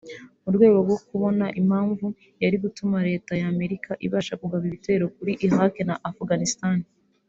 mu rwego rwo kubona impamvu yari gutuma Leta ya Amerika ibasha kugaba ibitero kuri Irak na Afghanistan